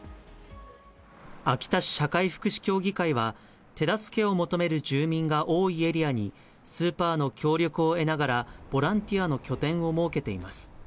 秋田市社会福祉協議会は、手助けを求める住民が多いエリアに、スーパーの協力を得ながら、ボランティアの拠点を設けています。